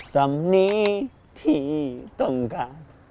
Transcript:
สำนี้ที่ต้องการ